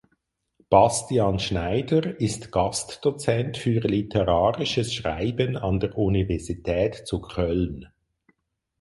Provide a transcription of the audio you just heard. Bastian Schneider ist Gastdozent für Literarisches Schreiben an der Universität zu Köln.